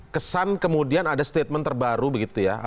kesan kemudian ada statement terbaru begitu ya